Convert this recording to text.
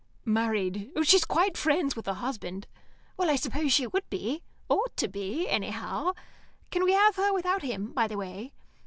"Married. She's quite friends with her husband." "Well, I suppose she would be. Ought to be, anyhow. Can we have her without him, by the way?"